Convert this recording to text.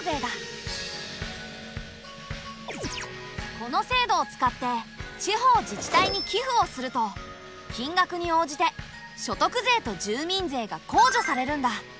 この制度を使って地方自治体に寄付をすると金額に応じて所得税と住民税が控除されるんだ。